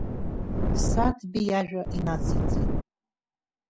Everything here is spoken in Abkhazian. Саҭбеи иажәа инациҵеит.